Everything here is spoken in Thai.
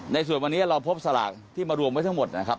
ในส่วนวันนี้เราพบสลากที่มารวมไว้ทั้งหมดนะครับ